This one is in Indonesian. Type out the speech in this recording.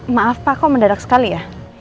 maaf pak kok mendadak sekali ya